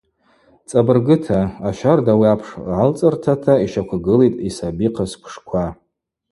Цӏабыргыта, ащарда ауи апш гӏалцӏыртата йщаквгылитӏ йсабихъа сквшква.